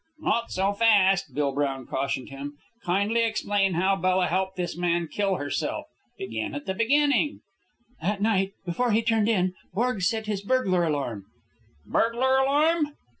"Not so fast," Bill Brown cautioned him. "Kindly explain how Bella helped this man kill herself. Begin at the beginning." "That night, before he turned in, Borg set his burglar alarm " "Burglar alarm?"